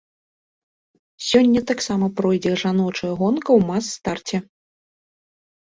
Сёння таксама пройдзе жаночая гонка ў мас-старце.